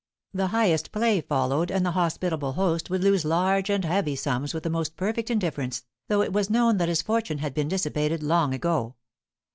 The highest play followed, and the hospitable host would lose large and heavy sums with the most perfect indifference, though it was known that his fortune had been dissipated long ago.